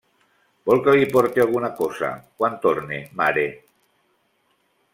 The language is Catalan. Vol que li porte alguna cosa quan torne, mare?